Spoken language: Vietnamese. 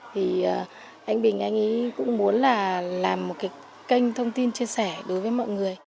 thì anh bình anh ấy cũng muốn là làm một cái kênh thông tin chia sẻ đối với mọi người